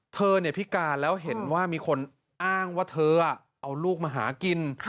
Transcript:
พิการแล้วเห็นว่ามีคนอ้างว่าเธอเอาลูกมาหากิน